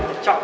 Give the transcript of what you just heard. udah gak usah